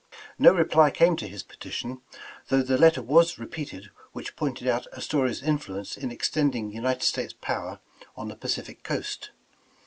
No reply came to his petition, though the letter was repeated which pointed out Astoria's influence in ex tending United States power on the Pacific coast.